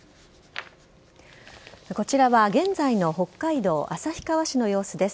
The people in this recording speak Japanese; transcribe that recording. こちらは現在の北海道旭川市の様子です。